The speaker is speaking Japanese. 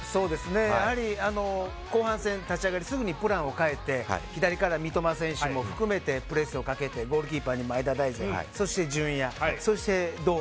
やはり後半戦、立ち上がりすぐにプランを変えて左から三笘選手も含めてプレスをかけてゴールキーパーに前田大然がそして純也、そして堂安。